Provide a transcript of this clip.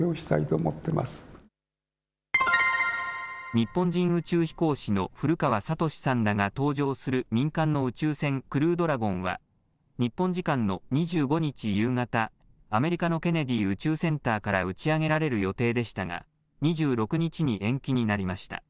日本人宇宙飛行士の古川聡さんらが搭乗する民間の宇宙船、クルードラゴンは、日本時間の２５日夕方、アメリカのケネディ宇宙センターから打ち上げられる予定でしたが、２６日に延期になりました。